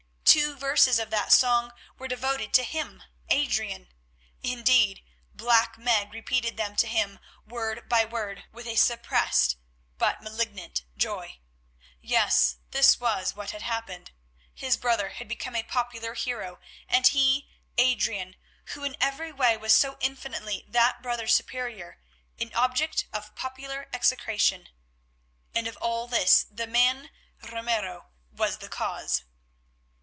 Two verses of that song were devoted to him, Adrian; indeed, Black Meg repeated them to him word by word with a suppressed but malignant joy. Yes, this was what had happened; his brother had become a popular hero and he, Adrian, who in every way was so infinitely that brother's superior, an object of popular execration. And of all this the man, Ramiro, was the cause.